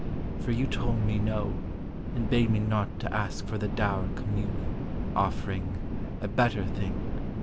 For you told me no, And bade me not to ask for the dour Communion, offering "a better thing."